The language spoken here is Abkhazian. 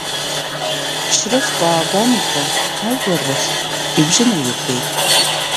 Шьрыф Каабан-иԥа ажәлар рахь ибжьы наиргеит…